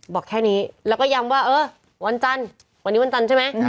บอกแค่นี้แล้วก็ย้ำว่าเออวันจันทร์วันนี้วันจันทร์ใช่ไหม